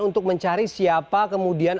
untuk mencari siapa kemudian